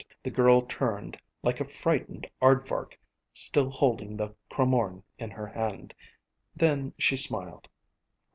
The girl turned like a frightened aardvark, still holding the cromorne in her hand. Then she smiled.